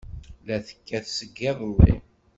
La tekkat seg yiḍelli.